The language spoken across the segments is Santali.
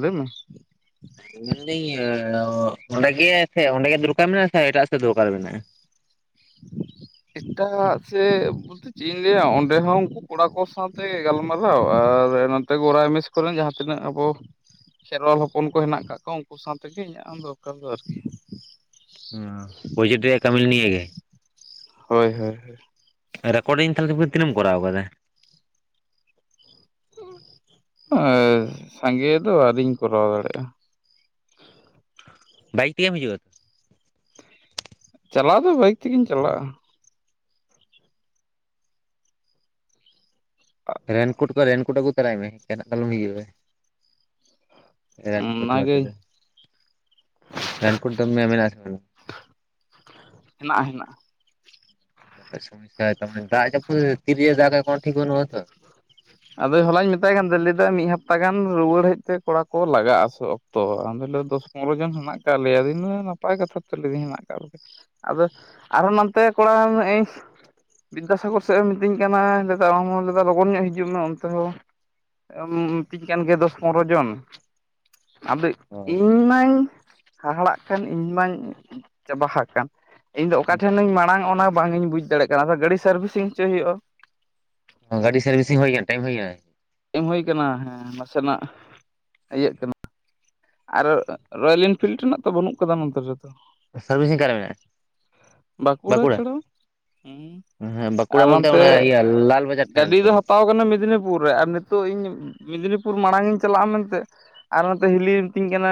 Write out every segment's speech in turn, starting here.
ᱞᱟᱹᱭ ᱢᱮ ᱾ ᱢᱮᱱᱫᱟᱹᱧ, ᱚᱼᱚᱸᱰᱮ ᱜᱮ, ᱥᱮ ᱚᱸᱰᱮ ᱜᱮ ᱫᱚᱨᱠᱟᱨ ᱢᱮᱱᱟᱜᱼᱟ ᱾ ᱥᱮ, ᱮᱴᱟᱜ ᱥᱮᱫ ᱫᱚᱨᱠᱟᱨ ᱢᱮᱱᱟᱜᱼᱟ ᱾ ᱮᱴᱟᱜ ᱥᱮᱫ ᱪᱮᱫ ᱤᱧ ᱞᱟᱹᱭᱟ, ᱚᱸᱰᱮ ᱦᱚᱸ, ᱩᱱᱠᱩ ᱠᱚᱲᱟ ᱠᱚ, ᱥᱟᱶᱛᱮ ᱜᱟᱞᱢᱟᱨᱟᱣ ᱟᱨ ᱱᱚᱛᱮ ᱜᱚᱨᱟᱭ ᱢᱮᱥ ᱠᱚᱨᱮᱱ ᱡᱟᱦᱟᱸ ᱛᱤᱱᱟᱹᱜ, ᱟᱵᱚ ᱠᱷᱮᱨᱣᱟᱞ ᱦᱚᱯᱚᱱ ᱠᱚ, ᱦᱮᱱᱟᱜ ᱠᱟᱜ ᱠᱚᱣᱟ ᱾ ᱩᱱᱠᱩ ᱥᱟᱶ ᱛᱮᱜᱮ, ᱤᱧᱟᱹᱜ ᱦᱚᱸ ᱫᱚᱨᱠᱟᱨ ᱫᱚ, ᱟᱨᱠᱤ ᱾ ᱦᱚᱸᱶᱟ [inaudible] ᱯᱨᱚᱡᱮᱠᱴ ᱨᱮᱭᱟᱜ ᱠᱟᱹᱢᱤ ᱫᱚ ᱱᱤᱭᱟᱹ ᱜᱮ ᱾ ᱦᱳᱭ, ᱦᱳᱭ ᱦᱳᱭ ᱾ ᱨᱮᱠᱚᱨᱰᱤᱝ ᱛᱟᱦᱚᱞᱮ, ᱛᱤᱱᱟᱹᱜ ᱮᱢ ᱠᱚᱨᱟᱣ ᱟᱠᱟᱫᱟ ᱾ ᱩᱸᱜ ᱮᱸᱻ ᱥᱟᱸᱜᱮ ᱫᱚ, ᱟᱣᱨᱤᱧ ᱠᱚᱨᱟᱣ ᱫᱟᱲᱮ ᱭᱟᱜᱼᱟ ᱾ ᱵᱟᱭᱤᱠ ᱛᱮᱜᱮᱢ ᱦᱤᱡᱩᱜᱼᱟ ᱾ ᱪᱟᱞᱟᱣ ᱫᱚ, ᱵᱟᱭᱤᱠ ᱛᱮᱜᱤᱧ ᱪᱟᱞᱟᱜᱼᱟ ᱾ ᱨᱮᱱᱠᱳᱴ ᱠᱚ, ᱨᱮᱱᱠᱳᱴ ᱟᱹᱜᱩ ᱛᱚᱨᱟᱭ ᱢᱮ ᱾ ᱮᱠᱮᱱᱟᱜ ᱫᱚ, ᱟᱞᱚᱢ ᱦᱤᱡᱩᱜᱼᱟ ᱾ ᱨᱮᱱᱠᱳᱴ ᱚᱱᱟᱜᱮ ᱟᱛᱮ ᱫᱚ, ᱨᱮᱱᱠᱳᱴ ᱫᱚ ᱢᱮ- ᱢᱮᱱᱟᱜᱼᱟ, ᱟᱥᱮ ᱵᱟᱝ? [inaudible] ᱦᱮᱱᱟᱜᱼᱟ, ᱦᱮᱱᱟᱜᱼᱟ ᱾ ᱵᱟᱠᱷᱟᱡ ᱥᱚᱢᱥᱥᱟ, [unintelligible] ᱫᱟᱜ ᱡᱟᱹᱯᱩᱫ ᱛᱤᱨᱮ ᱡᱮ ᱫᱟᱜᱽ ᱟᱭ ᱠᱚᱱᱚ ᱴᱷᱤᱠ ᱜᱮ, ᱵᱟᱹᱱᱩᱜᱼᱟ ᱛᱚ ᱾ ᱟᱫᱚ, ᱦᱚᱞᱟᱧ ᱢᱮᱛᱟᱭ ᱠᱟᱱ ᱛᱟᱦᱮᱸ, ᱞᱟᱹᱭ ᱮᱫᱟ, ᱢᱤᱫ ᱦᱟᱯᱛᱟ ᱜᱟᱱ ᱨᱩᱣᱟᱹᱲ ᱦᱮᱡ ᱛᱮ, ᱠᱚᱲᱟ ᱠᱚ ᱞᱟᱜᱟᱜᱼᱟ ᱾ ᱥᱚ ᱛᱚ, ᱟᱫᱚ ᱞᱟᱹᱭ ᱫᱟ, ᱫᱚᱥ ᱯᱚᱱᱨᱚ ᱡᱚᱱ, ᱦᱮᱱᱟᱜ ᱠᱟᱫ ᱞᱮᱭᱟ, ᱟᱫᱚ ᱤᱱᱟ ᱱᱟᱯᱟᱭ ᱠᱟᱛᱷᱟ ᱛᱚ, ᱞᱟᱹᱭ ᱫᱤᱧ ᱦᱮᱱᱟᱜ ᱠᱟᱜ ᱠᱚ ᱜᱮ ᱾ ᱟᱫᱚ, ᱟᱨᱦᱚᱸ, ᱱᱟᱱᱛᱮ ᱠᱚᱲᱟ, ᱢᱮ ᱤᱧ ᱵᱤᱫᱽᱫᱟᱥᱟᱜᱚᱨ ᱥᱮᱫ, ᱮᱢ ᱢᱤᱛᱟᱹᱧ ᱠᱟᱱᱟ, ᱫᱟᱫᱟ ᱟᱢ ᱦᱚᱸ, ᱫᱟᱫᱟ ᱞᱚᱜᱚᱱ ᱧᱚᱜ ᱦᱤᱡ- ᱡᱩᱜ ᱢᱮ, ᱚᱱᱛᱮ ᱦᱚᱸ, ᱢᱤᱛᱤᱧ ᱠᱟᱱ ᱜᱮ, ᱫᱚᱥ ᱯᱚᱱᱨᱚ ᱡᱚᱱ ᱟᱫᱚ, ᱤᱧ ᱢᱟᱧ ᱦᱟᱦᱟᱲᱟᱜ ᱠᱟᱱ, ᱤᱧ ᱢᱟᱧ ᱪᱟᱵᱟ ᱦᱟᱠᱟᱱ ᱤᱧ ᱫᱚ, ᱚᱠᱟ ᱴᱷᱮᱱᱤᱧ ᱢᱟᱲᱟᱝ ᱾ ᱚᱱᱟ ᱵᱟᱝ ᱤᱧ ᱵᱩᱡᱽ ᱫᱟᱲᱮᱭᱜ ᱠᱟᱱᱟ ᱾ ᱟᱫᱚ, ᱜᱟᱹᱰᱤ ᱥᱟᱨᱵᱷᱤᱥᱤᱝ ᱦᱚᱪᱚᱭ ᱦᱩᱭᱩᱜᱼᱟ ᱾ ᱜᱟᱹᱰᱤ ᱥᱟᱨᱵᱷᱤᱥᱤᱝ ᱦᱩᱭ ᱠᱟᱱ, ᱴᱟᱭᱤᱢ ᱦᱩᱭ ᱮᱱᱟ ᱾ ᱴᱟᱭᱤᱢ ᱦᱩᱭ ᱟᱠᱟᱱᱟ, ᱦᱮᱸ, ᱱᱟᱥᱮᱱᱟᱜ ᱤᱭᱟᱹᱜ ᱠᱟᱱᱟ ᱾ ᱟᱨ, ᱨᱚᱭᱮᱞ ᱤᱱᱯᱷᱤᱞᱢ ᱨᱮᱱᱟᱜ ᱛᱚ, ᱵᱟᱹᱱᱩᱜ ᱟᱠᱟᱫᱟ ᱾ ᱱᱚᱱ ᱛᱮ, ᱨᱮᱫᱚ ᱥᱟᱨᱵᱷᱤᱥᱤᱝ, ᱚᱠᱟ ᱨᱮ ᱢᱮᱱᱟᱜᱼᱟ? ᱵᱟᱠᱩᱲᱟ ᱵᱟᱸᱠᱩᱲᱟ? ᱪᱷᱟᱲᱟ ᱾ ᱦᱩᱸᱻ ᱦᱮᱸ ᱵᱟᱸᱠᱩᱲᱟ ᱟᱨ, ᱵᱚᱞᱛᱮ ᱱᱚᱱᱛᱮ, ᱚᱱᱟ ᱤᱭᱟᱹ ᱞᱟᱞ ᱵᱟᱡᱟᱨ ᱴᱷᱮᱱ ᱜᱟᱹᱰᱤ ᱛᱚ ᱫᱚᱦᱟᱛᱟᱣ ᱠᱟᱱᱟ, ᱢᱮᱫᱽᱱᱤᱯᱩᱨ ᱨᱮ ᱾ ᱟᱨ ᱱᱤᱛ ᱛᱚ, ᱤᱧ ᱢᱮᱫᱽᱱᱤᱯᱩᱨ ᱢᱟᱲᱟᱝ ᱤᱧ ᱪᱟᱞᱟᱜᱼᱟ, ᱢᱮᱱᱛᱮ ᱾ ᱟᱨ ᱱᱚᱛᱮ ᱦᱤᱞᱤ ᱢᱤᱛᱤᱧ ᱠᱟᱱᱟ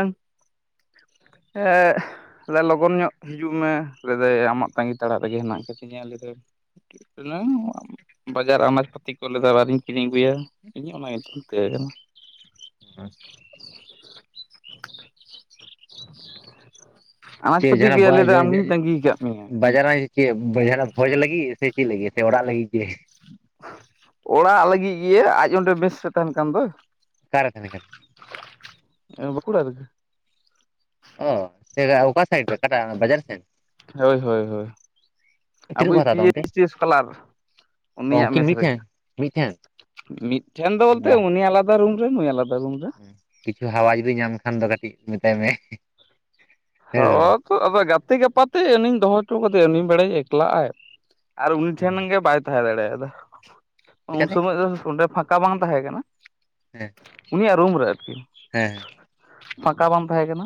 ᱮᱻᱜ- ᱦ ᱾ ᱞᱟᱹᱭᱫᱟ ᱞᱚᱜᱚᱱ ᱧᱚᱜ ᱦᱤᱡᱩᱜ ᱢᱮ ᱞᱟᱹᱭᱫᱟᱭ ᱟᱢᱟᱜ ᱛᱟᱸᱜᱤ ᱛᱟᱲᱟᱜ ᱨᱮᱜᱮ ᱦᱮᱱᱟᱜ ᱠᱟᱫᱤᱧᱟ ᱞᱟᱹᱭᱫᱟᱭ [unintelligible] ᱵᱟᱡᱟᱨ ᱟᱱᱟᱡᱽ ᱯᱟᱹᱛᱤ ᱠᱚ ᱞᱮᱭᱫᱟᱭ ᱟᱣᱨᱤᱧ ᱠᱤᱨᱤᱧ ᱟᱹᱜᱩᱭᱟ ᱤᱧ ᱚᱱᱟ ᱜᱮ ᱪᱤᱱᱛᱟᱹ ᱠᱟᱱᱟ [unintelligible] ᱟᱱᱟᱡ ᱯᱟᱹᱛᱤ ᱠᱚᱭᱟ ᱞᱟᱹᱭ ᱫᱟᱭ ᱟᱢᱜᱤᱧ ᱛᱟᱺᱜᱤ ᱠᱟᱫ ᱢᱮᱭᱟ ᱵᱟᱡᱟᱨᱟᱭ ᱪᱮᱫ ᱡᱟᱦᱟᱸᱱᱟᱜ ᱵᱷᱚᱡᱽ ᱞᱟᱹᱜᱤᱫ ᱥᱮ ᱪᱮᱫ ᱞᱟᱹᱜᱤᱫ ᱥᱮ ᱚᱲᱟᱜ ᱞᱟᱹᱜᱤᱫ ᱜᱮ? ᱚᱲᱟᱜ ᱞᱟᱹᱜᱤᱫ ᱜᱮᱭᱟ ᱟᱡ ᱚᱸᱰᱮ ᱢᱮᱥ ᱨᱮ ᱛᱟᱦᱮᱱ ᱠᱟᱱ ᱫᱚᱭ ᱚᱠᱟᱨᱮ ᱛᱟᱦᱮᱱ ᱠᱟᱱᱟᱭ? ᱵᱟᱹᱠᱩᱲᱟ ᱨᱮᱜᱮ ᱚ ᱮᱫᱟ ᱚᱠᱟ ᱥᱟᱭᱤᱰ ᱨᱮ ᱚᱠᱟᱴᱟᱜ ᱵᱟᱡᱟᱨ ᱥᱮᱫ? ᱦᱳᱭ ᱦᱳᱭ ᱦᱳᱭ ᱛᱤᱱᱟᱹᱜ ᱠᱚ ᱟᱵᱩᱭᱤᱡ ᱯᱤ ᱦᱟᱛᱟᱣᱫᱟ ᱚᱱᱛᱮ ᱮᱭᱪ ᱥᱤ ᱥᱠᱚᱞᱟᱨ ᱚ ᱩᱱᱤᱭᱟᱜ ᱩᱱᱠᱤᱱ ᱢᱮᱥ ᱨᱮᱜᱮ ᱢᱤᱫᱴᱷᱮᱱ ᱢᱤᱫᱴᱷᱮᱱ ᱢᱤᱫᱴᱷᱮᱱ ᱫᱚ ᱵᱚᱞᱛᱮ ᱵᱟ ᱩᱱᱤ ᱟᱞᱟᱫᱟ ᱨᱩᱢ ᱨᱮ ᱱᱩᱭ ᱟᱞᱟᱫᱟ ᱨᱩᱢ ᱨᱮ ᱠᱤᱪᱷᱩ ᱦᱟᱣᱟ ᱡᱩᱫᱤ ᱧᱟᱢ ᱠᱷᱟᱱ ᱫᱚ ᱠᱟᱹᱴᱤᱡ ᱢᱮᱛᱟᱭ ᱢᱮ ᱦᱮᱸ ᱥᱮ ᱦᱟᱣᱟ ᱵᱟᱝ ᱫᱚ ᱟᱫᱚ ᱜᱟᱛᱮ ᱜᱟᱯᱟᱛᱮ ᱩᱱᱤᱧ ᱫᱚᱦᱚ ᱦᱚᱪᱚ ᱠᱟᱫᱮᱭᱟ ᱩᱱᱤ ᱵᱮᱲᱟᱭᱟᱧ ᱮᱠᱞᱟᱜᱼᱟᱭ ᱟᱨ ᱩᱱᱤ ᱴᱷᱮᱱ ᱜᱮ ᱵᱟᱭ ᱛᱟᱦᱮᱸ ᱫᱟᱲᱮᱭᱟᱫᱟ ᱩᱱ ᱪᱤᱠᱟᱹᱛᱮ ᱥᱚᱢᱚᱭ ᱫᱚ ᱚᱸᱰᱮ ᱯᱷᱟᱸᱠᱟ ᱵᱟᱝ ᱛᱟᱦᱮᱸ ᱠᱟᱱᱟ ᱦᱮᱸ ᱩᱱᱤᱭᱟᱜ ᱨᱩᱢ ᱨᱮ ᱟᱨᱠᱤ ᱦᱮᱸ ᱯᱷᱟᱸᱠᱟ ᱵᱟᱝ ᱛᱟᱦᱮᱸ ᱠᱟᱱᱟ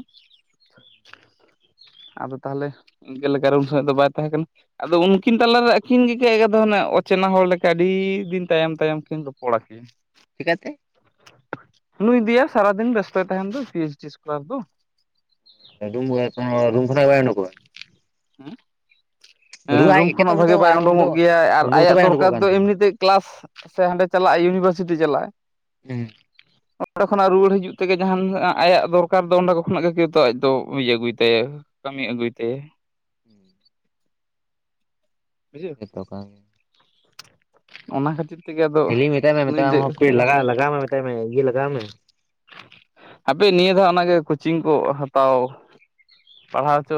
ᱟᱫᱚ ᱛᱟᱦᱞᱮ ᱤᱱᱠᱟᱹ ᱞᱮᱠᱟᱨᱮ ᱩᱱ ᱥᱚᱢᱚᱭ ᱫᱚ ᱵᱟᱭ ᱛᱟᱦᱮᱸᱠᱟᱱᱟ ᱟᱫᱚ ᱩᱱᱠᱤᱱ ᱛᱟᱞᱟᱨᱮ ᱟᱹᱠᱤᱱ ᱜᱮᱠᱤᱱ ᱮᱠᱫᱚᱢ ᱚᱪᱮᱱᱟ ᱦᱚᱲ ᱞᱮᱠᱟ ᱟᱹᱰᱤ ᱫᱤᱱ ᱛᱟᱭᱚᱢ ᱛᱟᱭᱚᱢ ᱛᱮ ᱠᱤᱱ ᱨᱚᱯᱚᱲᱟ ᱠᱤᱱ ᱪᱤᱠᱟᱹᱛᱮ? ᱱᱩᱭ ᱫᱚᱭᱟ ᱥᱟᱨᱟᱫᱤᱱ ᱵᱮᱥᱛᱚᱭ ᱛᱟᱦᱮᱱ ᱫᱚ ᱯᱤ ᱮᱤᱪ ᱰᱤ ᱮᱥᱠᱚᱞᱟᱨ ᱫᱚ [unintelligible] ᱨᱩᱢ ᱠᱷᱱᱟᱜᱮ ᱵᱟᱭ ᱚᱰᱚᱠᱜᱼᱟ? ᱦᱮᱸ ᱨᱩ ᱟᱡ ᱨᱩᱢ ᱮᱠᱮᱛᱚ ᱠᱷᱚᱱᱟᱜ ᱩᱱᱤ ᱵᱷᱟᱜᱮ ᱫᱚ ᱵᱟᱭ ᱟᱨ ᱩᱱᱤ ᱫᱚ ᱩᱰᱩᱠᱚᱜ ᱜᱮᱭᱟᱭ ᱟᱨ ᱩᱰᱩᱠ ᱦᱚᱸᱛᱚ ᱟᱭᱟᱜ ᱵᱟᱭ ᱫᱚᱨᱠᱟᱨ ᱩᱰᱩᱠᱚᱜ ᱠᱟᱱ ᱫᱚ ᱛᱟᱦᱮᱱᱟ ᱮᱢᱱᱤᱛᱮ ᱠᱮᱞᱟᱥ ᱥᱮ ᱦᱟᱸᱰᱮ ᱪᱟᱞᱟᱜ ᱤᱭᱩᱱᱤᱵᱷᱟᱨᱥᱤᱴᱤ ᱪᱟᱞᱟᱜᱼᱟᱭ ᱦᱩᱸ ᱚᱸᱰᱮ ᱠᱷᱚᱱᱟᱜ ᱨᱩᱣᱟᱹᱲ ᱦᱤᱡᱩᱜ ᱛᱮᱜᱮ ᱡᱟᱦᱟᱸᱱ ᱟᱭᱟᱜ ᱫᱚᱨᱠᱟᱨ ᱫᱚ ᱚᱸᱰᱮ ᱠᱷᱚᱱᱟᱜ ᱜᱮ ᱟᱡ ᱫᱚ ᱤᱭᱟᱹ ᱟᱜᱩᱭ ᱛᱟᱭᱟᱭ ᱠᱟᱹᱢᱤ ᱟᱹᱜᱩᱭ ᱛᱟᱭᱟᱭ ᱦᱩᱸ ᱵᱩᱡᱷᱟᱹᱣ ᱡᱚᱛᱚ ᱠᱟ ᱚᱱᱟ ᱠᱷᱟᱹᱛᱤᱨ ᱛᱮᱜᱮ ᱟᱫᱚ ᱦᱤᱞᱤ ᱢᱮᱛᱟᱭ ᱱᱩᱭ ᱢᱮᱛᱟᱭ ᱢᱮ ᱫᱚ ᱟᱢ ᱦᱚᱸ ᱯᱤ ᱮᱠᱞᱟ ᱞᱟᱜᱟᱣ ᱠᱟᱱᱟ᱾ ᱞᱟᱜᱣᱟ ᱢᱮ ᱢᱮᱛᱟᱭ ᱢᱮ ᱤᱭᱟᱹ ᱞᱟᱜᱟᱣ ᱢᱮ ᱦᱟᱯᱮ ᱱᱤᱭᱟᱹ ᱫᱷᱟᱣ ᱚᱱᱟᱜᱮ ᱠᱳᱪᱤᱝ ᱠᱚ ᱦᱟᱛᱟᱣ ᱯᱟᱲᱦᱟᱣ ᱪᱚ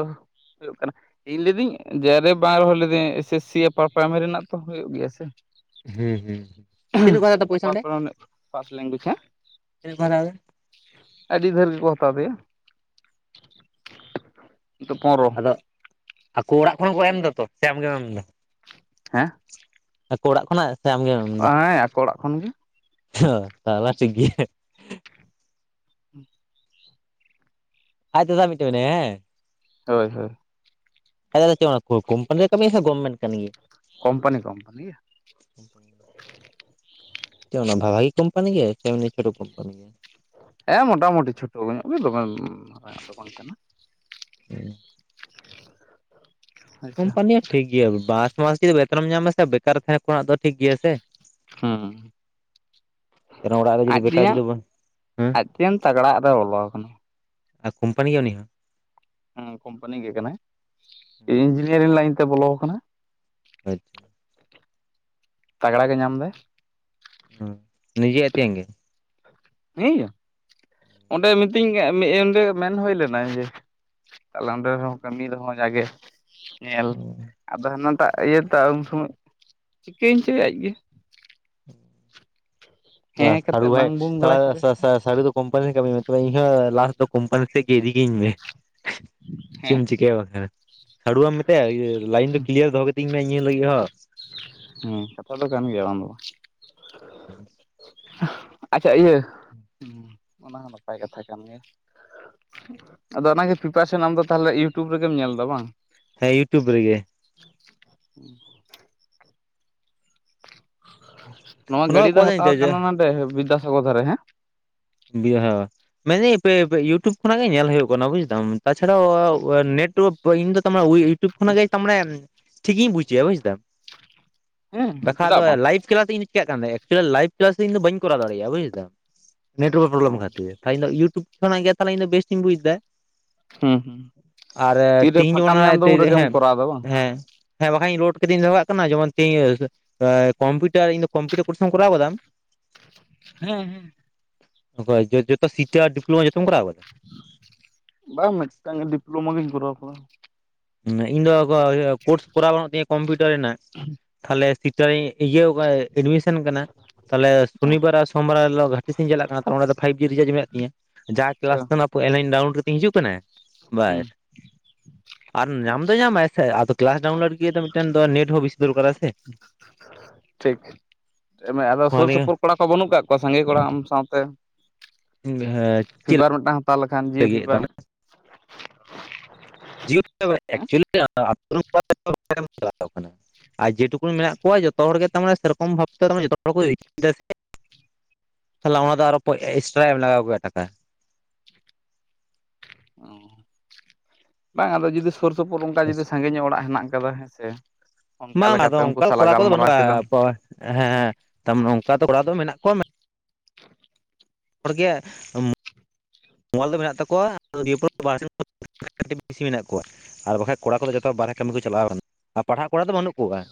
ᱦᱩᱭᱩᱜ ᱠᱟᱱᱟ ᱤᱧ ᱞᱟᱹᱭᱫᱟᱹᱧ ᱡᱮ ᱟᱨ ᱮᱯᱷ ᱵᱟᱝ ᱨᱮᱦᱚᱸ ᱞᱤᱫᱟᱹᱧ ᱮᱥ ᱮᱥ ᱥᱤ ᱟᱯᱟᱨ ᱯᱮᱨᱟᱭᱢᱟᱨᱤ ᱨᱮᱱᱟᱜ ᱛᱚ ᱦᱩᱭᱩᱜ ᱜᱮᱭᱟ ᱥᱮ ᱦᱩᱸ ᱦᱩᱸ ᱛᱤᱱᱟᱹᱜ ᱠᱚ ᱦᱟᱛᱟᱣᱫᱟ ᱯᱚᱭᱥᱟ ᱟᱯᱟᱨ ᱚᱸᱰᱮ ᱯᱨᱟᱭᱢᱟᱨᱤ ᱯᱷᱟᱥᱴ ᱞᱮᱝᱜᱩᱭᱮᱡᱽ ᱦᱮᱸ ᱛᱤᱱᱟᱹᱜ ᱠᱚ ᱦᱟᱛᱟᱣᱫᱟ? ᱟᱹᱰᱤ ᱰᱷᱮᱨ ᱜᱮᱠᱚ ᱦᱟᱛᱟᱣ ᱫᱟᱭᱟ, ᱱᱤᱛᱚᱜ ᱯᱚᱱᱨᱚ ᱟᱠᱚ ᱚᱲᱟᱜ ᱠᱷᱚᱱᱟᱜ ᱠᱚ ᱮᱢ ᱫᱟᱛᱚ ᱥᱮ ᱟᱢᱜᱮᱢ ᱮᱢᱫᱟ ᱦᱮᱸ ᱟᱠᱚ ᱚᱲᱟᱜ ᱠᱷᱚᱱᱟᱜ ᱥᱮ ᱟᱢᱜᱮᱢ ᱮᱢ? ᱦᱮᱸ ᱟᱠᱚ ᱚᱲᱟᱜ ᱠᱷᱚᱱ ᱜᱮ ᱚ ᱛᱟᱦᱚᱞᱮ ᱴᱷᱤᱠ ᱜᱮᱭᱟ ᱟᱡ ᱫᱟᱫᱟ ᱢᱤᱫᱴᱮᱡ ᱢᱮᱱᱟᱭᱟ ᱦᱮᱸ ᱾ ᱦᱳᱭ ᱦᱳᱭ᱾ ᱟᱡ ᱫᱟᱫᱟ ᱫᱚ ᱪᱮᱫ ᱠᱳᱢᱯᱟᱱᱤ ᱨᱮ ᱠᱟᱹᱢᱤᱭᱟ ᱥᱮ ᱜᱚᱵᱷᱢᱮᱱ ᱠᱟᱹᱢᱤ ᱜᱮᱭᱟ? ᱠᱚᱢᱯᱟᱱᱤ ᱠᱚᱢᱯᱟᱱᱤᱭᱟ᱾ [unintelligible] ᱪᱮᱫ ᱚᱱᱟ ᱵᱷᱟᱜᱤ ᱠᱳᱢᱯᱟᱱᱤ ᱜᱮ ᱥᱮ ᱮᱢᱱᱤ ᱪᱷᱳᱴᱳ ᱠᱳᱢᱯᱟᱱᱤ ᱜᱮ? ᱦᱮᱸ ᱢᱳᱴᱟᱢᱩᱴᱤ ᱪᱷᱳᱴᱳ ᱧᱚᱜ ᱜᱮ ᱫᱚᱢᱮ ᱢᱟᱨᱟᱝᱼᱟᱜ ᱫᱚ ᱵᱟᱝ ᱠᱟᱱᱟ᱾ ᱟᱪᱪᱷᱟ ᱠᱳᱢᱯᱟᱱᱤ ᱦᱚᱸ ᱴᱷᱤᱠ ᱜᱮᱭᱟ, ᱢᱟᱥ ᱢᱟᱥ ᱡᱩᱫᱤ ᱵᱮᱛᱚᱱ ᱮᱢ ᱧᱟᱢᱟ ᱥᱮ ᱵᱮᱠᱟᱨ ᱛᱟᱦᱮᱸ ᱠᱷᱚᱱᱟᱜ ᱫᱚ ᱴᱷᱤᱠ ᱜᱮᱭᱟ ᱥᱮ ᱾ ᱦᱩᱸ᱾ ᱠᱟᱨᱚᱱ ᱚᱲᱟᱜ ᱨᱮ ᱡᱩᱫᱤ ᱟᱡ ᱵᱮᱠᱟᱨ ᱛᱮᱭᱟᱝ ᱡᱩᱫᱤ ᱵᱚᱱ ᱦᱮᱸ ᱟᱡ ᱛᱮᱭᱟᱝ ᱛᱟᱜᱽᱲᱟᱣᱟᱜ ᱨᱮ ᱵᱚᱞᱚᱣ ᱠᱟᱱᱟᱭ᱾ ᱟᱨ ᱠᱳᱢᱯᱟᱱᱤ ᱜᱮ ᱩᱱᱤ ᱦᱚᱸ? ᱦᱩᱸ ᱠᱳᱢᱯᱟᱱᱤ ᱜᱮ ᱠᱟᱱᱟᱭ ᱤᱧᱡᱤᱱᱤᱭᱟᱨᱤᱝ ᱞᱟᱭᱤᱱ ᱛᱮ ᱵᱚᱞᱚᱣᱟᱠᱟᱱᱟ ᱾ ᱟᱪᱪᱷᱟ᱾ ᱛᱟᱜᱽᱲᱟ ᱜᱮ ᱧᱟᱢ ᱫᱟᱭ᱾ ᱦᱩ ᱱᱤᱡᱮ ᱟᱡ ᱛᱮᱧᱟᱝ ᱜᱮ? ᱦᱤᱸᱭᱟ ᱚᱸᱰᱮ ᱢᱤᱛᱟᱹᱧ ᱚᱸᱰᱮ ᱢᱮᱱ ᱦᱩᱭ ᱞᱮᱱᱟ ᱡᱮ ᱟᱞᱮ ᱱᱚᱰᱮ ᱦᱚ ᱠᱟᱹᱢᱤ ᱨᱮᱦᱚ ᱡᱟᱜᱮ ᱧᱮᱞ ᱟᱫᱚ ᱦᱟᱱᱟᱴᱟᱜ ᱤᱭᱟᱹ ᱛᱚ ᱩᱱ ᱥᱚᱢᱚᱭ ᱪᱤᱠᱟᱹᱭᱮᱱ ᱪᱚᱭ ᱟᱡᱜᱮ ᱵᱟᱦ ᱦᱮᱸ ᱥᱟᱲᱩ ᱠᱟᱛᱮᱫ ᱵᱷᱟᱭ ᱵᱟᱝ ᱵᱩᱝ ᱛᱚ ᱵᱟᱲᱟ ᱠᱮᱫᱟ ᱥᱟᱼᱥᱟᱼᱥᱟᱲᱩ ᱫᱚ ᱠᱚᱢᱯᱟᱱᱤ ᱨᱮ ᱠᱟᱹᱢᱤ ᱢᱮᱱᱛᱮ ᱟᱫᱚ ᱤᱧᱦᱚ ᱞᱟᱦᱟ ᱥᱮᱫ ᱫᱚ ᱠᱩᱢᱯᱟᱱᱤ ᱥᱮᱡ ᱜᱮ ᱤᱫᱤ ᱠᱤᱧ ᱢᱮ, ᱪᱮᱢ ᱦᱮᱸ ᱪᱤᱠᱟᱹᱭᱟ ᱵᱟᱝᱠᱷᱟᱱ? ᱥᱟᱹᱲᱩ ᱵᱟᱢ ᱢᱮᱛᱟᱭᱟ ᱤᱭᱟᱹ ᱞᱟᱭᱤᱱ ᱫᱚ ᱠᱞᱤᱭᱟᱨ ᱫᱚᱦᱚ ᱠᱟᱹᱛᱤᱧ ᱢᱮ ᱤᱧᱟᱹᱜ ᱞᱟᱹᱜᱤᱫ ᱦᱚᱸ᱾ ᱦᱮᱸ ᱠᱟᱛᱷᱟ ᱫᱚ ᱠᱟᱱ ᱜᱮᱭᱟ, ᱵᱟᱝ ᱫᱚ ᱵᱟᱝ᱾ ᱟᱪᱪᱷᱟ ᱤᱭᱟᱹ ᱦᱩᱸ ᱚᱱᱟ ᱦᱚᱸ ᱱᱟᱯᱟᱭ ᱠᱟᱛᱷᱟ ᱠᱟᱱ ᱜᱮᱭᱟ ᱾ ᱟᱫᱚ ᱚᱱᱟ ᱜᱮ ᱯᱨᱤᱯᱟᱨᱮᱥᱮᱱ ᱟᱢ ᱫᱚ ᱛᱟᱦᱞᱮ ᱤᱭᱩᱴᱩᱵᱽ ᱨᱮᱜᱮᱢ ᱧᱮᱞ ᱫᱟ ᱵᱟᱝ? ᱦᱮᱸ ᱤᱭᱩᱴᱩᱵᱽ ᱨᱮᱜᱮ᱾ ᱱᱚᱣᱟ ᱜᱟᱹᱲᱤ ᱫᱚ ᱦᱟᱛᱟᱣ ᱠᱟᱱᱟ ᱱᱟᱰᱮ, ᱵᱤᱫᱽᱫᱟᱥᱟᱜᱚᱨ ᱫᱷᱟᱨᱮ ᱦᱮᱸ [unintelligible] ᱢᱮᱱᱫᱟᱹᱧ ᱯᱮᱼᱯᱮ ᱤᱭᱩᱴᱩᱵᱽ ᱠᱷᱚᱱᱟᱜ ᱜᱮ ᱧᱮᱞ ᱦᱩᱭᱩᱜ ᱠᱟᱱᱟ ᱵᱩᱡᱽ ᱫᱟᱢ ᱾ ᱛᱟ ᱪᱷᱟᱲᱟᱻ ᱱᱮᱴᱳᱣᱟᱠ ᱤᱧ ᱫᱚ ᱛᱟ ᱢᱟᱱᱮ ᱩᱭ ᱤᱭᱩᱴᱩᱵᱽ ᱠᱷᱚᱱᱟᱜ ᱜᱮ ᱛᱟ ᱢᱟᱱᱮ ᱴᱷᱤᱠᱤᱧ ᱵᱩᱡᱮᱜᱼᱟ ᱵᱩᱡᱽᱫᱟᱢ, ᱦᱮᱸ ᱵᱟᱠᱷᱟᱡ ᱪᱮᱫᱟᱜ ᱫᱚ ᱵᱟᱝ ᱞᱟᱭᱤᱵᱷ [unintelligible] ᱤᱧ ᱫᱚ ᱪᱤᱠᱟᱜ ᱠᱟᱱ ᱛᱟᱦᱮ ᱮᱠᱪᱩᱭᱮᱞᱤ ᱞᱟᱭᱤᱵᱷ ᱠᱞᱟᱥ ᱤᱧ ᱫᱚ ᱵᱟᱹᱧ ᱠᱚᱨᱟᱣ ᱫᱟᱲᱮᱭᱟᱜᱼᱟ ᱵᱩᱡᱽ ᱫᱟᱢ ᱾ ᱱᱮᱴᱳᱣᱟᱨᱠ ᱯᱨᱚᱵᱽᱞᱮᱢ ᱠᱷᱟᱹᱛᱤᱨ, ᱤᱧ ᱫᱚ ᱤᱭᱩᱴᱩᱵᱽ ᱠᱷᱚᱱᱟᱜ ᱜᱮ ᱛᱟᱦᱞᱮ ᱤᱧ ᱫᱚ ᱵᱮᱹᱥ ᱤᱧ ᱵᱩᱡᱽ ᱫᱟ᱾ ᱦᱩᱸ ᱦᱩᱸ ᱟᱨᱮ ᱛᱤᱨᱮ ᱛᱤᱦᱤᱧ ᱡᱚᱢᱚᱱ ᱯᱷᱟᱸᱠᱟᱢ ᱧᱟᱢ ᱚᱱᱟ ᱮᱫᱟ ᱩᱱ ᱛᱤᱨᱮ ᱨᱮᱜᱮᱢ ᱦᱮᱸ ᱠᱚᱨᱟᱣ ᱮᱫᱟ ᱵᱟᱝ ᱦᱮᱸ ᱦᱮᱸ ᱵᱟᱠᱷᱟᱡ ᱤᱧ ᱞᱳᱰ ᱠᱟᱛᱤᱧ ᱫᱚᱦᱚ ᱠᱟᱜ ᱠᱟᱱᱟ ᱡᱮᱢᱚᱱ ᱛᱤᱦᱤᱧ, ᱮ ᱠᱚᱢᱯᱤᱴᱟᱨ ᱤᱧ ᱫᱚ ᱠᱚᱢᱯᱤᱴᱟᱨ ᱠᱳᱨᱥ ᱮᱢ ᱠᱚᱨᱟᱣ ᱠᱟᱫᱟ ᱟᱢ? ᱦᱮᱸ ᱦᱮᱸ᱾ ᱚᱠᱚᱭ ᱡᱚ-ᱡᱚᱛᱚ ᱥᱤᱴᱟ, ᱰᱤᱯᱞᱳᱢᱟ ᱡᱚᱛᱚᱢ ᱠᱚᱨᱟᱣ ᱠᱟᱫᱟ? ᱵᱟᱝ ᱢᱤᱫᱴᱟᱝ ᱜᱮ ᱰᱤᱯᱞᱳᱢᱟ ᱜᱤᱧ ᱠᱚᱨᱟᱣ ᱠᱟᱫᱟ᱾ ᱤᱧ ᱫᱚᱻ ᱤᱭᱟᱹ ᱠᱳᱨᱥ ᱠᱚᱨᱟᱣ ᱵᱟᱹᱱᱩᱜ ᱛᱤᱧᱟᱹ ᱠᱚᱢᱯᱤᱭᱩᱴᱟᱨ ᱨᱮᱱᱟᱜ, ᱛᱟᱦᱞᱮ ᱥᱤᱴᱟ ᱨᱤᱧ ᱤᱭᱟᱹᱣ ᱠᱟ ᱮᱰᱢᱤᱥᱚᱱ ᱠᱟᱱᱟ᱾ ᱛᱟᱦᱞᱮ ᱥᱩᱱᱤᱵᱟᱨ ᱟᱨ ᱥᱚᱢᱵᱟᱨ ᱦᱤᱞᱳᱜ ᱜᱷᱟᱴᱤ ᱥᱮᱜᱼᱤᱧ ᱪᱟᱞᱟᱜ ᱠᱟᱱᱟ ᱛᱟᱦᱞᱮ ᱚᱸᱰᱮ ᱫᱚ ᱯᱷᱟᱭᱤᱵᱽ ᱡᱤ ᱨᱤᱪᱟᱨᱡᱽ ᱢᱮᱱᱟᱜ ᱛᱤᱧᱟ, ᱡᱟ ᱟᱪᱪᱷᱟ ᱠᱞᱟᱥ ᱛᱮᱱᱟᱜ ᱮᱱ ᱦᱤᱞᱚᱜ ᱰᱟᱣᱩᱱᱞᱳᱰ ᱠᱟᱛᱤᱧ ᱦᱤᱡᱩᱜ ᱠᱟᱱᱟ ᱾ ᱦᱩᱸ᱾ ᱟᱨ ᱧᱟᱢ ᱫᱚᱭ ᱧᱟᱢᱟᱭ ᱥᱮ ᱟᱫᱚ ᱠᱞᱟᱥ ᱰᱟᱣᱩᱱᱞᱳᱰ ᱞᱟᱹᱜᱤᱫ ᱫᱚ ᱢᱤᱫᱴᱮᱱ ᱫᱚ ᱱᱮᱴ ᱦᱚᱸ ᱵᱤᱥᱤ ᱫᱚᱨᱠᱟᱨᱟ ᱥᱮ ᱾ ᱴᱷᱤᱠ ᱮᱢᱮ ᱟᱫᱚ ᱥᱩᱨ ᱦᱚᱸ ᱥᱩᱯᱩᱨ ᱠᱚᱲᱟ ᱠᱚ ᱵᱟᱹᱱᱩᱜ ᱠᱟᱜ ᱠᱚᱣᱟ? ᱥᱟᱸᱜᱮ ᱠᱚᱲᱟ ᱟᱢ ᱥᱟᱶᱛᱮ? [unintelligible] ᱯᱷᱤᱵᱟᱨ ᱢᱤᱫᱴᱟᱝ ᱦᱟᱛᱟᱣ ᱞᱮᱠᱷᱟᱱ ᱡᱤᱭᱳ ᱞᱟᱹᱜᱤᱫ ᱯᱷᱤᱵᱟᱨ ᱾ [unintelligible] ᱦᱮᱸ ᱟᱨ ᱡᱮᱴᱩᱠᱩᱱ ᱢᱮᱱᱟᱜ ᱠᱚᱣᱟ ᱡᱚᱛᱚ ᱦᱚᱲ ᱜᱮ ᱛᱟᱢᱟᱱᱮ ᱥᱮ ᱨᱚᱠᱚᱢ ᱵᱷᱟᱵᱛᱮ ᱡᱚᱛᱚ ᱦᱚᱲ [unintelligible] ᱛᱟᱦᱞᱮ ᱚᱱᱟ ᱫᱚ ᱟᱨᱚ ᱯᱳᱡ ᱮᱥᱴᱨᱟ ᱮᱢ ᱞᱟᱜᱟᱣ ᱠᱚᱣᱟ ᱴᱟᱠᱟ ᱾ ᱚ ᱵᱟᱝ ᱟᱫᱚ ᱡᱩᱫᱤ ᱥᱚᱨ ᱥᱚᱯᱚᱨ ᱚᱝᱠᱟ ᱡᱩᱫᱤ ᱥᱟᱸᱜᱮ ᱧᱚᱜ ᱚᱲᱟᱜ ᱦᱮᱱᱟᱜ ᱟᱠᱟᱫᱟ ᱦᱮᱸ ᱥᱮ ᱾ ᱵᱟᱝ ᱟᱫᱚ ᱚᱱᱠᱟ ᱠᱚᱲᱟ ᱠᱚᱫᱚ ᱵᱟᱹᱱᱩᱜᱼᱟ ᱦᱮᱸ ᱛᱟᱢᱟᱱᱮ ᱚᱝᱠᱟ ᱫᱚ ᱠᱚᱲᱟ ᱫᱚ ᱢᱮᱱᱟᱜ ᱠᱚᱣᱟ ᱢᱮ ᱦᱚᱲ ᱜᱮᱜ ᱢᱳᱵᱟᱞ ᱫᱚ ᱢᱮᱱᱟᱜ ᱛᱟᱠᱚᱣᱟ ᱫᱤᱭᱮᱹ ᱯᱚᱨ [unintelligible] ᱵᱤᱥᱤ ᱢᱮᱱᱟᱜ ᱠᱚᱣᱟ ᱟᱨ ᱵᱟᱠᱷᱟᱡ ᱠᱚᱲᱟ ᱠᱚ ᱫᱚ ᱡᱚ ᱛᱚ ᱵᱟᱨᱦᱮ ᱠᱟᱹᱢᱤ ᱠᱚ ᱪᱟᱞᱟᱣ ᱟᱠᱟᱱᱟ ᱾ ᱟᱨ ᱯᱟᱲᱦᱟᱜ ᱠᱚᱲᱟ ᱫᱚ ᱵᱟᱹᱱᱩᱜ ᱠᱚᱣᱟ ᱾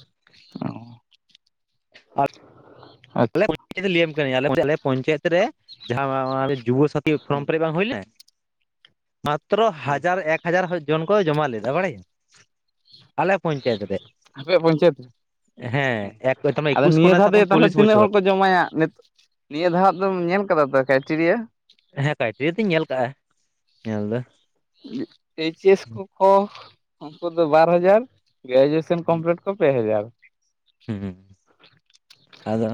ᱟᱞᱮ ᱟᱪᱪᱷᱟ [unintelligible] ᱞᱟᱹᱭ ᱟᱢ ᱠᱟᱹᱱᱟᱧ ᱟᱞᱮ [unintelligible] ᱯᱚᱧᱪᱟᱭᱮᱛ ᱨᱮ ᱡᱟᱦᱟᱸ ᱣᱟᱣᱟ ᱡᱩᱭᱟᱹᱥ ᱥᱟᱛᱤᱣ ᱯᱷᱨᱚᱢ ᱦᱩᱸ ᱯᱮᱨᱮᱡ ᱵᱟᱝ ᱦᱩᱭ ᱞᱮᱱ ᱢᱟᱛᱨᱚ ᱦᱩᱸ ᱦᱟᱡᱟᱨ ᱮᱠ ᱦᱟᱡᱟᱨ ᱦᱚᱲ ᱡᱚᱱ ᱠᱚ ᱡᱚᱢᱟ ᱞᱮᱫᱟ ᱵᱟᱲᱟᱭ ᱟᱞᱮ ᱯᱚᱸᱪᱟᱭᱛ ᱨᱮ ᱾ ᱟᱯᱮᱭᱟᱜ ᱯᱚᱸᱪᱟᱭᱛ ᱨᱮ, ᱦᱮᱸ ᱮᱠ ᱛᱟᱨᱢᱟᱱᱮ ᱟᱫᱚ ᱮᱠᱩᱥ ᱱᱤᱭᱟᱹ ᱠᱷᱚᱱᱟᱜ ᱫᱷᱟᱣ ᱥᱟᱵ ᱫᱚ ᱠᱟᱢ ᱭᱟ ᱛᱟᱦᱞᱮ ᱪᱚᱞᱞᱤᱥ ᱛᱤᱱᱟᱹᱜ ᱦᱚᱲ ᱵᱚᱪᱷᱚᱨ ᱠᱚ ᱡᱚᱢᱟᱭᱟ ᱱᱤᱛ ᱱᱤᱭᱟᱹ ᱫᱷᱟᱣᱟᱜ ᱫᱚᱢ ᱧᱮᱞ ᱟᱠᱟᱫᱟ ᱛᱚ ᱠᱟᱭᱴᱮᱨᱤᱭᱟ.? ᱦᱮᱸ ᱠᱟᱭᱴᱮᱨᱤᱭᱟ. ᱛᱟᱧ ᱧᱮᱞ ᱟᱠᱟᱜᱼᱟ ᱧᱮᱞ ᱫᱚ ᱮᱪ ᱮᱥ ᱠᱚᱠᱚ ᱩᱱᱠᱩ ᱫᱚ ᱵᱟᱨ ᱦᱟᱡᱟᱨ ᱜᱨᱟᱡᱩᱟᱥᱚᱱ ᱠᱚᱢᱯᱞᱤᱴ ᱠᱚ ᱯᱮ ᱦᱡᱟᱨ ᱦᱩᱸ ᱟᱫᱚ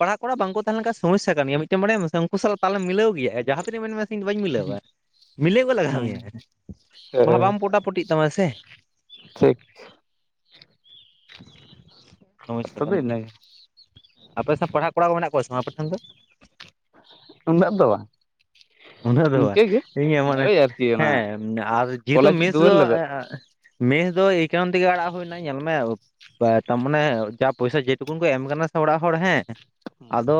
ᱯᱟᱲᱦᱟᱜ ᱠᱚᱲᱟ ᱵᱟᱝᱠᱚ ᱛᱟᱦᱮᱸ ᱞᱮᱱ ᱠᱷᱟᱱ ᱥᱚᱢᱚᱥᱭᱟ ᱠᱟᱱ ᱜᱮᱭᱟ ᱢᱤᱫᱴᱮᱱ ᱵᱟᱲᱟᱭ ᱟᱢ ᱩᱱᱠᱩ ᱥᱟᱞᱟᱜ ᱛᱟᱞ ᱮᱢ ᱢᱤᱞᱟ. ᱣ ᱜᱤᱭᱟ. ᱡᱟᱦᱟᱸ ᱛᱤᱱᱟᱹᱜ ᱢᱮᱱ ᱢᱮ ᱤᱧ ᱫᱚ ᱵᱟᱹᱧ ᱢᱤᱞᱟᱹᱣᱟ ᱢᱤᱞᱟᱹᱣ ᱜᱮ ᱞᱟᱜᱟᱣ ᱢᱮᱭᱟ ᱦᱮᱸ ᱵᱟᱦᱟ ᱵᱟᱝ ᱯᱚᱴᱟ ᱯᱩᱴᱤᱜ ᱛᱟᱢᱟ ᱥᱮ ᱴᱷᱤᱠ ᱥᱚᱢᱚᱥᱭᱟ ᱠᱟᱛᱷᱟ ᱠᱟᱱ ᱫᱚ ᱜᱮ ᱤᱱᱟᱹᱜᱮ ᱟᱯᱮ ᱥᱟᱶ ᱯᱟᱲᱦᱟᱜ ᱠᱚᱲᱟ ᱠᱚ ᱢᱮᱱᱟᱜ ᱠᱚᱣᱟ ᱥᱮ ᱵᱟᱝ ᱟᱯᱮ ᱴᱷᱮᱱ ᱫᱚ ᱩᱱᱟᱹᱜ ᱫᱚ ᱵᱟᱝ ᱚᱱᱟ. ᱜ ᱫᱚ ᱵᱟᱝ ᱤᱱᱠᱟᱹ ᱜᱮ ᱤᱧᱟᱹᱜ ᱢᱟᱱᱮ ᱳᱭ ᱟᱨᱠᱤ ᱚᱱᱟ ᱦᱮᱸ ᱟᱨ ᱡᱮᱦᱮᱛᱩ ᱠᱚᱞᱮᱡᱽ ᱢᱮᱥ ᱫᱩᱣᱟᱹᱨ ᱫᱚ ᱞᱮᱵᱮᱫ ᱢᱮᱥ ᱫᱚ ᱮᱭ ᱠᱟᱨᱚᱱ ᱛᱮᱜᱮ ᱟᱲᱟᱜ ᱦᱩᱭᱱᱟ ᱧᱮᱞ ᱢᱮ ᱯᱟ. ᱛᱟᱨ ᱢᱟᱱᱮ ᱡᱟ ᱯᱚᱭᱥᱟ ᱡᱮ ᱦᱮᱛᱩᱱ ᱠᱚ ᱮᱢ ᱟᱠᱟᱱᱟ ᱥᱮ ᱚᱲᱟᱜ ᱦᱚᱲ ᱦᱮᱸ ᱟᱫᱚ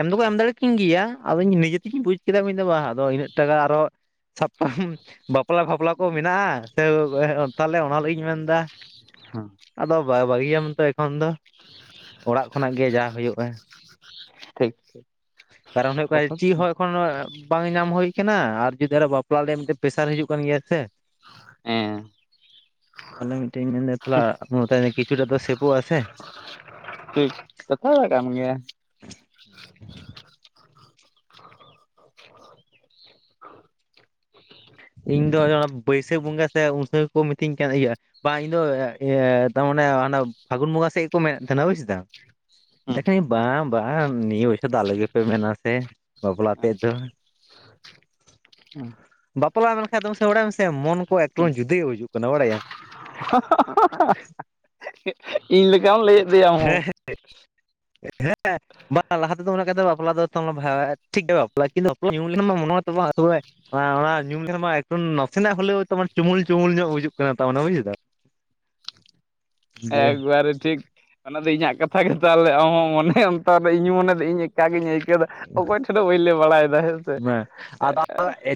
ᱮᱢ ᱫᱚ ᱠᱚ ᱮᱢ ᱫᱟᱲᱮ ᱠᱤᱧ ᱜᱮᱭᱟ ᱟᱫᱚ ᱤᱧ ᱱᱤᱡᱮ ᱛᱮᱜᱤᱧ ᱵᱩᱡᱽ ᱠᱮᱫᱟ ᱤᱧ ᱫᱚ ᱵᱟᱝ, ᱟᱫᱚ ᱤᱱᱟᱹᱜ ᱴᱟᱠᱟ ᱟᱨᱚ ᱥᱟᱵ ᱠᱟᱜ ᱟᱢ ᱵᱟᱯᱞᱟ ᱵᱟᱯᱷᱞᱟ ᱠᱚ ᱢᱮᱱᱟᱜᱼᱟ ᱥᱮ [unintelligible] ᱛᱟᱦᱚᱞᱮ ᱚᱱᱟ ᱞᱟᱹᱜᱤᱫ ᱤᱧ ᱢᱮᱱ ᱮᱫᱟ ᱦᱮᱸ ᱟᱫᱚ ᱵᱟᱭ ᱵᱷᱟᱹᱜᱤᱭᱟᱢ ᱛᱚ ᱮᱠᱷᱚᱱ ᱫᱚ ᱚᱲᱟᱜ ᱠᱷᱚᱱᱟᱜ ᱜᱮ ᱡᱟ ᱦᱩᱭᱩᱜᱼᱟ ᱴᱷᱤᱠ ᱴᱷᱤᱠ ᱠᱟᱨᱚᱱ ᱦᱩᱭᱩᱜ ᱠᱟᱱᱟ ᱪᱮᱫ ᱦᱚᱸ ᱮᱠᱷᱚᱱ ᱵᱟᱝ ᱧᱟᱢ ᱦᱩᱭ ᱟᱠᱟᱱᱟ ᱟᱨ ᱡᱩᱫᱤ ᱟᱨᱦᱚᱸ ᱵᱟᱯ.... ᱹᱹᱹᱯᱞᱟ ᱨᱮᱭᱟᱜ ᱢᱤᱫᱴᱮᱱ ᱯᱨᱮᱥᱟᱨ ᱦᱤᱡᱩᱜ ᱠᱟᱱ ᱜᱮᱭᱟ ᱥᱮ ᱦᱮᱸ ᱛᱟᱦᱚᱞᱮ ᱢᱤᱫᱴᱮᱡ ᱤᱧ ᱢᱮᱱ ᱮᱫᱟ ᱛᱟᱞᱟ ᱢᱮᱛᱟᱭᱟ ᱠᱤᱪᱷᱩ ᱴᱟᱜ ᱫᱚ ᱥᱮᱯᱷᱚᱜ-ᱟ ᱥᱮ ᱴᱷᱤᱠ, ᱠᱟᱛᱷᱟ ᱢᱟ ᱠᱟᱱ ᱜᱮᱭᱟ [inaudible] ᱤᱧ ᱫᱚ ᱟᱱᱟ ᱵᱟᱹᱭᱥᱟᱹᱠᱷ ᱵᱚᱸᱜᱟ ᱥᱮ ᱩᱱ ᱥᱚᱢᱚᱭ ᱠᱚ ᱢᱤᱛᱟᱹᱧ ᱠᱟᱱ ᱤᱭᱟ. ᱵᱟ ᱤᱧ ᱫᱚ ᱤᱭᱟᱹ ᱛᱟᱨᱢᱟᱱᱮ ᱯᱷᱟᱹᱜᱩᱱ ᱵᱚᱸᱜᱟ ᱥᱮᱫ ᱠᱚ ᱢᱮᱱ ᱮᱫ ᱛᱟᱦᱮᱟ ᱵᱩᱡᱽ ᱮᱫᱟᱢ ᱫᱮ ᱦᱮᱸ ᱠᱷᱟᱡ ᱤᱧ ᱵᱟᱝ ᱵᱟᱝ ᱱᱤᱭᱟᱹ ᱵᱚᱪᱷᱚᱨ ᱫᱚ ᱟᱞᱳ ᱜᱤ ᱯᱮ ᱢᱮᱱ-ᱟ ᱥᱮ ᱵᱟᱯᱞᱟ ᱛᱮᱫ ᱟᱪᱪᱷᱟ ᱫᱚ ᱦ ᱵᱟᱯᱞᱟᱜ ᱟᱢ ᱢᱮᱱᱠᱷᱟᱡ ᱫᱚ ᱥᱮ ᱵᱟᱲᱟᱭᱟᱢ ᱥᱮ ᱢᱳᱱ ᱠᱳ ᱮᱠᱫᱚᱢ ᱡᱩᱫᱟ‌ᱹ ᱜᱤ ᱵᱩᱡᱷᱟᱹᱜ ᱠᱟᱱᱟ ᱵᱟᱲᱟᱭᱢ [unintelligible] ᱤᱧ ᱞᱮᱠᱟᱢ ᱞᱟᱹᱭᱮᱫ ᱫᱚᱭᱟ ᱦᱮᱸ ᱦ [inaudible] ᱦᱮᱸ ᱾ ᱵᱟᱝ ᱞᱟᱦᱟ ᱛᱮᱫᱚ [unintelligible] ᱵᱟᱯᱞᱟ ᱫᱚ [unintelligible] ᱴᱷᱤᱠ ᱜᱮᱭᱟ ᱾ [unintelligible] ᱚᱱᱟ ᱚᱱᱟ ᱧᱩ ᱞᱮᱠᱷᱟᱱ ᱢᱟ ᱱᱟᱥᱮᱱᱟᱜ [unintelligible] ᱦᱩᱞᱳᱣ ᱛᱚ ᱪᱩᱢᱩᱞ ᱪᱩᱢᱩᱞ ᱧᱚᱜ ᱵᱩᱡᱩᱜ ᱠᱟᱱᱟ ᱛᱟᱨ ᱢᱟᱱᱮ ᱵᱩᱡ ᱮᱫᱟᱢ ᱾ [inaudible] ᱡᱮ ᱮᱠᱵᱟᱨᱮ ᱴᱷᱤᱠ ᱾ ᱚᱱᱟ ᱫᱚ ᱤᱧᱟᱹᱜ ᱠᱟᱛᱷᱟ ᱜᱮ ᱾ ᱛᱟᱦᱚᱞᱮ ᱟᱢᱦᱚᱸ ᱢᱚᱱᱮ ᱚᱱᱛᱚᱨ ᱨᱮ ᱤᱧ ᱢᱚᱱᱮ ᱫᱚ ᱤᱧ ᱮᱠᱟ ᱜᱮᱧ ᱟᱹᱭᱠ ᱟᱹᱣ ᱮᱫᱟ ᱾ ᱚᱠᱚᱭ ᱴᱷᱮᱱ ᱦᱚ ᱵᱟᱹᱧ ᱞᱟᱹᱭ ᱵᱟᱲᱟᱭᱮᱫᱟ ᱦᱮᱸ ᱥᱮ ᱾ ᱦᱮ ᱟᱫᱚ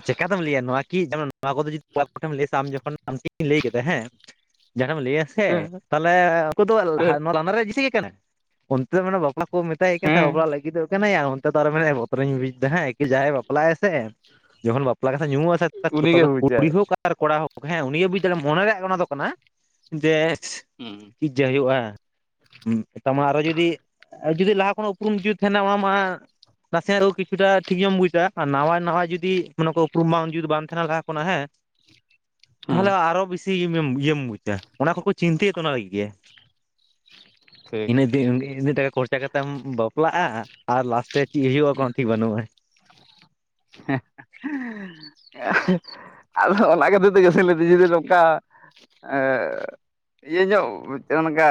ᱪᱤᱠᱟ ᱛᱮᱢ ᱞᱟᱹᱭᱟ ᱾ ᱱᱚᱣᱟ ᱠᱤ ᱱᱚᱣᱟ ᱠᱚ ᱡᱩᱫᱤ ᱠᱚᱲᱟ ᱠᱚᱴᱷᱮᱢ ᱞᱟᱹᱭᱟ ᱟᱢ ᱡᱮᱠᱷᱚᱱ ᱟᱢ ᱴᱷᱮᱱ ᱤᱧ ᱞᱟᱹᱭ ᱠᱮᱫᱟ ᱦᱮᱸ ᱡᱟᱦᱟᱸᱨᱮᱢ ᱞᱟᱹᱭᱟ ᱥᱮ ᱛᱟᱦᱚᱞᱮ ᱩᱱ ᱫᱚ ᱱᱚᱣᱟ ᱞᱟᱸᱫᱟ ᱨᱮᱭᱟᱜ ᱡᱮᱥᱤ ᱜᱮ ᱠᱟᱱᱟ ᱾ ᱚᱱᱛᱮ ᱫᱚ ᱢᱟᱱᱮ ᱵᱟᱯᱞᱟ ᱠᱚ ᱢᱮᱛᱟᱭ ᱠᱟᱱᱟ ᱥᱮ ᱵᱟᱯᱞᱟ ᱦᱮᱸ ᱞᱟᱹᱜᱤᱫᱚᱜ ᱠᱟᱱᱟᱭᱟ ᱚᱱᱛᱮ ᱫᱚ ᱟᱨᱚ ᱢᱮᱱᱟ ᱵᱚᱛᱚᱨᱚᱧ ᱵᱩᱡ ᱮᱫᱟ ᱦᱮᱸ ᱡᱟᱦᱟᱸᱭ ᱵᱟᱯᱞᱟᱜ ᱟᱭ ᱥᱮ ᱡᱚᱠᱷᱚᱱ ᱵᱟᱯᱞᱟ ᱠᱟᱛᱷᱟ ᱧᱩᱢᱚᱜᱼᱟ ᱥᱮ ᱩᱱᱤᱜᱮ [unintelligible] ᱠᱩᱲᱤ ᱵᱩᱡᱟᱭ ᱦᱚᱸ ᱟᱨ ᱠᱚᱲᱟ ᱦᱚ ᱦᱮᱸ ᱩᱱᱤ ᱜᱮ ᱵᱩᱡᱽ ᱫᱟᱲᱮᱭᱟᱜᱟᱭ, ᱢᱚᱱᱮ ᱨᱮᱭᱟᱜ ᱚᱱᱟ ᱫᱚ ᱠᱟᱱᱟ ᱡᱮ ᱦᱩᱸ ᱾ ᱪᱮᱫ ᱡᱮ ᱦᱩᱭᱩᱜᱼᱟ [unintelligible] ᱟᱨᱚ ᱡᱩᱫᱤ ᱡᱩᱫᱤ ᱞᱟᱦᱟ ᱠᱷᱚᱱᱟᱜ ᱩᱯᱨᱩᱢ ᱡᱩᱫ ᱛᱟᱦᱮᱱᱟ ᱟᱢᱟᱜ ᱢᱟ ᱱᱟᱥᱮᱱᱟᱜ ᱦᱚᱸ ᱠᱤᱪᱷᱩᱴᱟᱜ ᱴᱷᱤᱠ ᱜᱮᱢ ᱵᱩᱡᱟ ᱟᱨ ᱱᱟᱣᱟ ᱱᱟᱣᱟ ᱡᱩᱫᱤ ᱚᱱᱟ ᱠᱚ ᱩᱯᱨᱩᱢ ᱵᱟᱝ ᱡᱩᱫᱤ ᱵᱟᱝ ᱛᱟᱦᱮᱱᱟ ᱞᱟᱦᱟ ᱠᱷᱚᱱᱟᱜ ᱦᱮᱸ ᱦᱩᱸ ᱛᱟᱦᱚᱞᱮ ᱟᱨᱚ ᱵᱮᱥᱤ ᱤᱭᱟᱹᱢ ᱵᱩᱡᱟ ᱾ ᱚᱱᱟ ᱠᱚᱠᱚ ᱪᱤᱱᱛᱟᱹᱭᱟ ᱛᱚ ᱚᱱᱟ ᱞᱟᱹᱜᱤᱫ ᱜᱮ ᱾ ᱦᱮᱸ ᱾ ᱤᱱᱟᱹᱜ ᱫᱤᱱ ᱤᱱᱟᱹᱜ ᱴᱟᱠᱟ ᱠᱷᱚᱨᱪᱟ ᱠᱟᱛᱮᱢ ᱵᱟᱯᱞᱟᱜᱼᱟ ᱟᱨ ᱞᱟᱥᱴᱮ ᱨᱮ ᱪᱮᱫ ᱦᱩᱭᱩᱜᱼᱟ ᱠᱚᱱᱚ ᱴᱷᱤᱠ ᱵᱟᱹᱱᱩᱜᱼᱟ ᱾ [unintelligible] ᱟᱫᱚ ᱚᱱᱟ ᱠᱷᱟᱹᱛᱤᱨ ᱛᱮᱜᱮ ᱥᱮ ᱞᱟᱹᱭ ᱮᱫᱟᱹᱧ ᱡᱩᱫᱤ ᱱᱚᱝᱠᱟ ᱮ ᱤᱭᱟᱹ ᱧᱚᱜ ᱚᱱᱠᱟ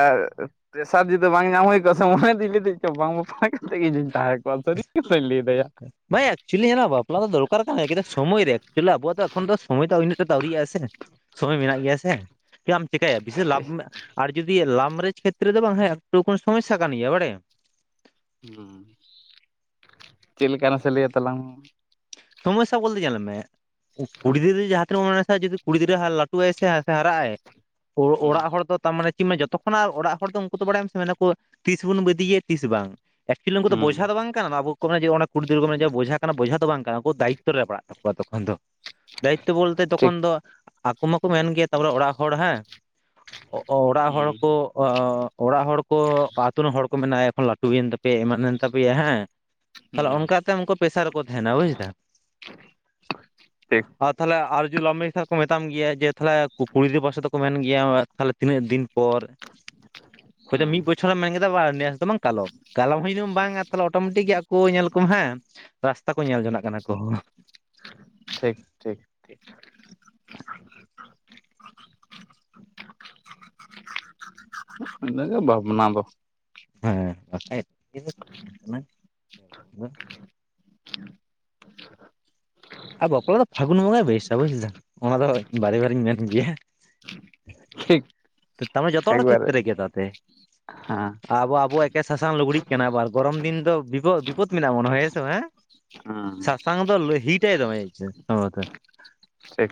ᱯᱮᱥᱟᱨ ᱡᱩᱫᱤ ᱵᱟᱝ ᱧᱟᱢ ᱦᱩᱭ ᱠᱚᱜᱼᱟ ᱾ ᱥᱚᱢᱚᱭ ᱨᱮ ᱫᱚᱧ ᱞᱟᱹᱭ ᱮᱫᱤᱧ ᱵᱟᱝ ᱵᱟᱯᱞᱟᱜ ᱛᱮᱜᱮ ᱤᱧ ᱫᱩᱧ ᱛᱟᱦᱮᱸ ᱠᱚᱜᱼᱟ ᱥᱟᱨᱤ ᱠᱟᱛᱷᱟᱧ ᱞᱟᱹᱭ ᱮᱫᱟ ᱭᱟ ᱾ ᱵᱟᱝ ᱭᱟ ᱮᱠᱪᱩᱭᱮᱞᱤ ᱵᱟᱯᱞᱟ ᱫᱚ ᱫᱚᱨᱠᱟᱨ ᱠᱟᱱ ᱜᱮᱭᱟ ᱠᱤᱱᱛᱩ ᱥᱚᱢᱚᱭ ᱨᱮ ᱾ ᱮᱠᱪᱩᱭᱮᱞᱤ ᱟᱵᱚᱣᱟᱜ ᱫᱚ ᱮᱠᱷᱚᱱ ᱫᱚ ᱥᱚᱢᱚᱭ ᱫᱚ ᱩᱱᱟᱹᱜ ᱴᱟ ᱫᱚ ᱟᱹᱣᱨᱤᱜᱼᱟ ᱥᱮ ᱥᱚᱢᱚᱭ ᱢᱮᱱᱟᱜ ᱜᱮᱭᱟ ᱥᱮ ᱪᱮᱫ ᱮᱢ ᱪᱮᱠᱟᱭᱟ ᱵᱮᱥᱤ ᱞᱟᱵᱷ ᱟᱨ ᱡᱩᱫᱤ ᱞᱟᱵᱷ ᱢᱮᱨᱮᱡᱽ ᱠᱷᱮᱛᱨᱮ ᱫᱚ ᱵᱟᱝ ᱦᱮᱸ ᱮᱠᱴᱩ ᱥᱚᱢᱚᱥᱥᱟ ᱠᱟᱱ ᱜᱮᱭᱟ ᱵᱟᱲᱟᱭᱟᱢ ᱾ ᱦᱩᱸ ᱪᱮᱫ ᱞᱮᱠᱟ ᱨᱮ ᱱᱟᱥᱮ ᱞᱟᱹᱭ ᱟ ᱛᱟᱞᱟᱝ ᱢᱮ ᱾ ᱥᱚᱢᱚᱥᱥᱟ ᱵᱚᱞᱛᱮ ᱧᱮᱞ ᱢᱮ ᱠᱩᱲᱤ ᱜᱤᱫᱽᱨᱟᱹ ᱡᱟᱦᱟᱸ ᱛᱤᱱᱟᱹᱜ [unintelligible] ᱡᱚᱫᱤ ᱠᱩᱲᱤ ᱜᱤᱫᱽᱨᱟᱹ ᱞᱟᱹᱴᱩᱜᱼᱟᱭ ᱥᱮ ᱦᱟᱨᱟᱜᱼᱟᱭ ᱦᱩᱸ ᱚᱲᱟᱜ ᱦᱚᱲ ᱫᱚ ᱛᱟᱨᱢᱟᱱᱮ ᱡᱚᱛᱚ ᱠᱷᱚᱱᱟᱜ ᱚᱲᱟᱜ ᱦᱚᱲ ᱫᱚ ᱩᱱᱠᱩ ᱫᱚ ᱵᱟᱲᱟᱭᱟᱢ ᱥᱮ ᱢᱮᱱᱟ ᱠᱚ ᱛᱤᱥ ᱵᱚᱱ ᱵᱤᱫᱟᱭ ᱮᱭᱟ ᱛᱤᱥ ᱵᱟᱝ ᱾ ᱮᱠᱪᱩᱭᱮᱞᱤ ᱩᱱᱠᱩ ᱫᱚ ᱵᱚᱡᱷᱟ ᱦᱩᱸ ᱫᱚ ᱵᱟᱝ ᱠᱟᱱᱟ ᱟᱵᱚ ᱠᱚ ᱠᱩᱲᱤ ᱠᱚ ᱵᱚᱡᱷᱟ ᱠᱟᱱᱟ ᱵᱚᱡᱷᱟ ᱫᱚ ᱵᱟᱝ ᱟᱵᱚ ᱫᱟᱭᱤᱛᱛᱚ ᱨᱮ ᱯᱟᱲᱟᱜ ᱛᱟᱠᱚᱣᱟ ᱛᱚᱠᱷᱚᱱ ᱫᱚ ᱾ ᱫᱟᱭᱤᱛᱛᱚ ᱵᱚᱞᱛᱮ ᱴᱷᱤᱠ ᱛᱚᱠᱷᱚᱱ ᱫᱚ ᱩᱱᱠᱩ ᱢᱟᱠᱚ ᱢᱮᱱ ᱜᱮᱭᱟ ᱛᱟᱯᱚᱨᱮ ᱚᱲᱟᱜ ᱦᱚᱲ ᱦᱮᱸ ᱚᱲᱟᱜ ᱦᱚᱲ ᱦᱩᱸ ᱠᱚ ᱚᱲᱟᱜ ᱦᱚᱲ ᱠᱚ ᱟᱹᱛᱩ ᱨᱮᱱ ᱦᱚᱲ ᱠᱚ ᱢᱮᱱᱟ ᱮᱠᱷᱚᱱ ᱞᱟᱹᱴᱩᱭᱮᱱ ᱛᱟᱯᱮᱭᱟ ᱮᱢᱟᱱᱮᱱ ᱛᱟᱯᱮᱭᱟ ᱦᱮᱸ ᱾ ᱛᱟᱦᱚᱞᱮ ᱦᱩᱸ ᱚᱱᱠᱟ ᱛᱮ ᱩᱱᱠᱩ ᱯᱮᱥᱟᱨ ᱨᱮᱠᱚ ᱛᱟᱦᱮᱱᱟ ᱵᱩᱡ [inaudible] ᱴᱷᱤᱠ ᱟᱨ ᱛᱟᱦᱞᱮ ᱟᱨ ᱡᱩ ᱞᱟᱵᱷ ᱢᱮᱨᱮᱡᱽ ᱠᱷᱟᱱ ᱠᱚ ᱢᱮᱛᱟᱢ ᱜᱮᱭᱟ ᱡᱮ ᱛᱟᱦᱚᱞᱮ ᱠᱩᱲᱤ ᱜᱤᱫᱽᱨᱟ ᱯᱟᱥᱮ ᱫᱚᱠᱚ ᱢᱮᱱ ᱜᱮᱭᱟ ᱛᱟᱦᱞᱮ ᱛᱤᱱᱟᱹᱜ ᱫᱤᱱ ᱯᱚᱨ ᱾ ᱦᱳᱭᱛᱚ ᱦᱩᱸ ᱢᱤᱫ ᱵᱚᱪᱷᱚᱨ ᱢᱮᱱ ᱠᱮᱫᱟ [unintelligible] ᱱᱟᱥᱮ ᱫᱚ ᱵᱟᱝ ᱠᱟᱞᱚᱢ ᱾ ᱠᱟᱞᱚᱢ ᱦᱚᱸ ᱡᱩᱫᱤᱢ ᱵᱟᱝᱟ ᱟᱨ ᱛᱟᱦᱚᱞᱮ ᱚᱴᱳᱢᱮᱴᱤᱠ ᱜᱮ ᱟᱠᱚ ᱧᱮᱞ ᱠᱚᱢ ᱦᱮᱸ ᱨᱟᱥᱛᱟ ᱠᱚ ᱧᱮᱞ ᱡᱚᱱᱟᱜ ᱠᱟᱱᱟ ᱠᱚᱦᱚᱸ ᱾ ᱴᱷᱤᱠ ᱴᱷᱤᱠ ᱴᱷᱤᱠ ᱾ [inaudible] [unintelligible] ᱤᱱᱟᱹ ᱜᱮ ᱵᱷᱟᱵᱽᱱᱟ ᱫᱚ᱾ ᱦᱮᱸ ᱵᱟᱠᱷᱟᱡ [unintelligible] ᱚᱱᱟ [unintelligible] ᱟᱨ ᱵᱟᱯᱞᱟ ᱫᱚ ᱯᱷᱟᱹᱜᱩᱱ ᱵᱚᱸᱜᱟᱭ ᱵᱮᱥᱼᱟ ᱵᱩᱡ ᱮᱫᱟ ᱚᱱᱟ ᱫᱚᱭ ᱵᱟᱨᱮ ᱵᱟᱨᱤᱧ ᱢᱮᱱ ᱜᱮᱭᱟ᱾ [unintelligible] ᱴᱷᱤᱠ᱾ ᱛᱮ ᱛᱟ ᱢᱟᱱᱮ ᱡᱚᱛᱚ ᱦᱚᱲ ᱮᱠᱵᱟᱨᱮ ᱠᱷᱮᱛ ᱨᱮᱜᱮ ᱫᱟ ᱛᱮ᱾ ᱦᱮᱸ ᱟᱵᱚ ᱟᱵᱚᱣᱟᱜ ᱮᱠᱮ ᱥᱟᱥᱟᱝ ᱞᱩᱜᱽᱲᱤᱜ ᱠᱟᱱᱟ ᱟᱵᱟᱨ ᱜᱚᱨᱚᱢ ᱫᱤᱱ ᱫᱚ ᱵᱤᱯᱚ ᱵᱤᱯᱚᱫᱽ ᱢᱮᱱᱟᱜ ᱵᱚᱱᱟ ᱦᱮᱥᱮ ᱦᱮᱸ? ᱦᱩᱸ ᱥᱟᱥᱟᱝ ᱫᱚ ᱞᱟᱹᱦᱤᱴᱟᱭ ᱫᱚᱦᱚ ᱪᱚᱭ [unintelligible] ᱥᱮᱠ,